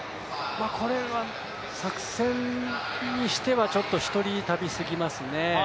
これは作戦にしてはちょっと１人旅過ぎますね。